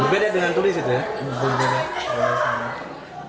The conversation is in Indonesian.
berbeda dengan turis itu ya